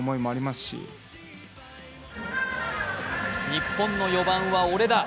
日本の４番は俺だ！